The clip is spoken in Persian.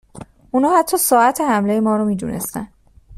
اونا حتی ساعت حملهی ما رو میدونستن